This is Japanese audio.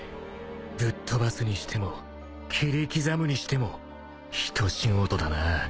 ぶっ飛ばすにしても切り刻むにしても一仕事だな。